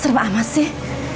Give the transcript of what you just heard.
serba amat sih